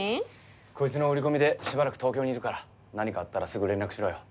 こいつの売り込みでしばらく東京にいるから何かあったらすぐ連絡しろよ。